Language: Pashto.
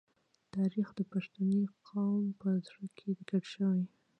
تاریخ د پښتني قام په زړه کې لیکل شوی.